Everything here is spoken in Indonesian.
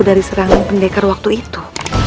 dari serangan pendekar waktu itu